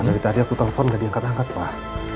dari tadi aku telepon nggak diangkat angkat pak